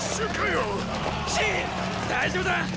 大丈夫だ！